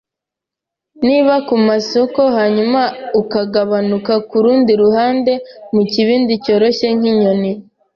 niba ku masoko, hanyuma ukagabanuka kurundi ruhande mukibindi cyoroshye nkinyoni.